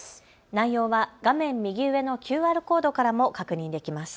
内容は画面右上のＱＲコードからも確認できます。